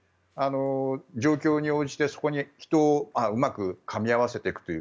状況に応じて人をうまくかみ合わせていくという。